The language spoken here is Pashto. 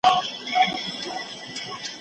فعال خلک تل په خپلو ورځنیو کارونو بوخت وي.